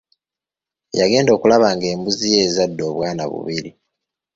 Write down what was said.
Yagenda okulaba nga embuzi ye ezadde obwana bubiri.